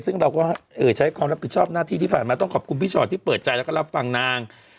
ซึ่งเราก็ใช้ความรับผิดชอบหน้าที่ที่ผ่านมาต้องขอบคุณพี่ชอตที่เปิดใจแล้วก็รับฟังนาง